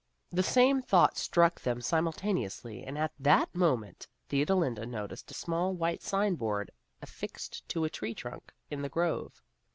The same thought struck them simultaneously, and at that moment Theodolinda noticed a small white signboard affixed to a tree trunk in the grove.